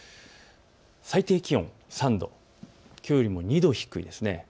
最低気温３度、きょうよりも２度低いです。